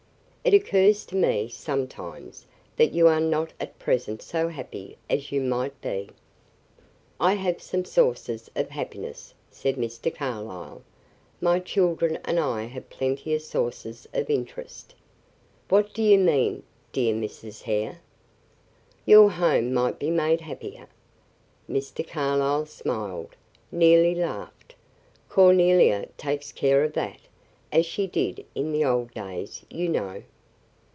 It occurs to me, sometimes, that you are not at present so happy as you might be." "I have some sources of happiness," said Mr. Carlyle. "My children and I have plenty of sources of interest. What do you mean, dear Mrs. Hare?" "Your home might be made happier." Mr. Carlyle smiled, nearly laughed. "Cornelia takes care of that, as she did in the old days, you know."